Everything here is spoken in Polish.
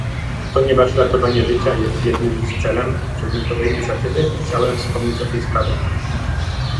Ponieważ ratowanie życia jest jednym z celem przedmiotowej inicjatywy, chciałem wspomnieć o tej sprawie